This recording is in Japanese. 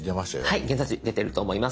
はい現在地出てると思います。